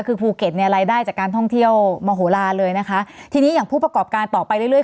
คือภูเก็ตเนี่ยรายได้จากการท่องเที่ยวมโหลานเลยนะคะทีนี้อย่างผู้ประกอบการต่อไปเรื่อย